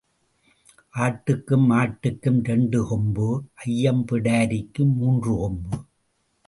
ஆட்டுக்கும் மாட்டுக்கும் இரண்டு கொம்பு ஐயம் பிடாரிக்கு மூன்று கொம்பு.